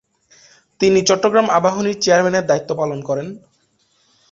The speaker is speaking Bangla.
তিনি চট্টগ্রাম আবাহনীর চেয়ারম্যানের দায়িত্ব পালন করেন।